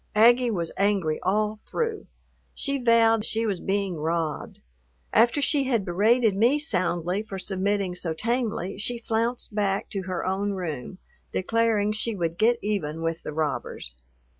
Aggie was angry all through. She vowed she was being robbed. After she had berated me soundly for submitting so tamely, she flounced back to her own room, declaring she would get even with the robbers.